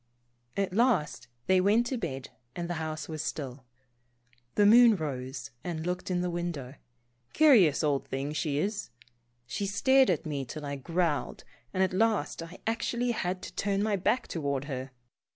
At last they went to bed and the house was still. The moon rose 196 Pomposity. and looked in the window. Curious old thing she is. She stared at me till I growled, and at last I actually had to turn my back toward her.